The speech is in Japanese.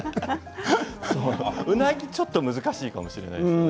うなぎは、ちょっと難しいかもしれないですね。